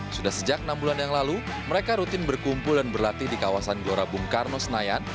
sudah sejak enam bulan yang lalu mereka rutin berkumpul dan berlatih di kawasan gelora bung karno senayan